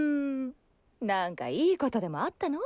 なんかいいことでもあったの？